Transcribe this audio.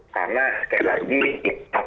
karena sekali lagi